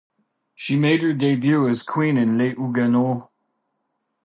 She made her debut as queen in "Les Huguenots".